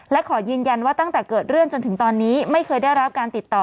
และขอยืนยันว่าตั้งแต่เกิดเรื่องจนถึงตอนนี้ไม่เคยได้รับการติดต่อ